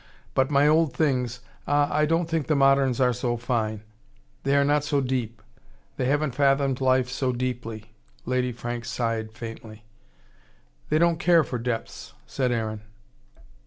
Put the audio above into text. But my old things ah, I don't think the moderns are so fine. They are not so deep. They haven't fathomed life so deeply." Lady Franks sighed faintly. "They don't care for depths," said Aaron.